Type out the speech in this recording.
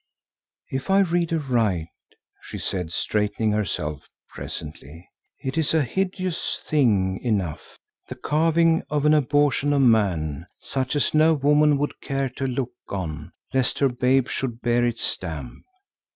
"If I read aright," she said, straightening herself presently, "it is a hideous thing enough, the carving of an abortion of a man such as no woman would care to look on lest her babe should bear its stamp.